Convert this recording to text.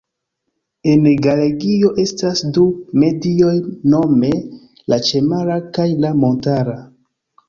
En Galegio estas du medioj nome la ĉemara kaj la montara.